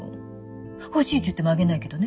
欲しいって言ってもあげないけどね。